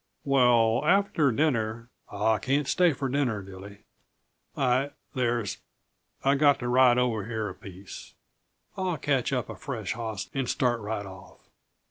"Well, after dinner " "I can't stay for dinner, Dilly. I there's I've got to ride over here a piece I'll catch up a fresh hoss and start right off.